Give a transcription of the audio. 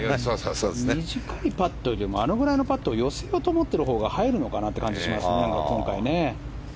短いパットよりもあのぐらいのパットを寄せようと思ってるほうが入るのかなと思いますね、今回。